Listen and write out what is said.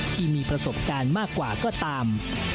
ที่มีประสบการณ์มากกว่าก็ตาม